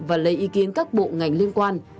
và lấy ý kiến các bộ ngành liên quan